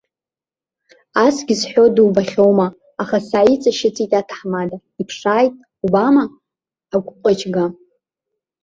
Асгьы зҳәо дубахьоума, аха сааиҵашьыцит аҭаҳмада, иԥшааит, убама, агәҟычга.